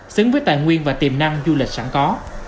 xứng với tài nguyên và tiềm năng du lịch sẵn có